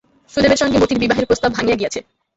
সুদেবের সঙ্গে মতির বিবাহের প্রস্তাব ভাঙিয়া গিয়াছে।